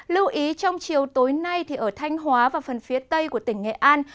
lưu ý trong chiều tối nay ở thanh hóa và phần phía tây của tỉnh nghệ an